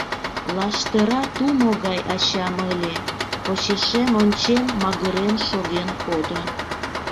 Лаштыра тумо гай ачам ыле, Почешем ончен магырен шоген кодо.